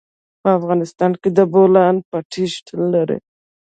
په افغانستان کې د بولان پټي شتون لري.